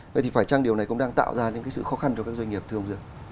vậy thì phải chăng điều này cũng đang tạo ra những cái sự khó khăn cho các doanh nghiệp thường dưới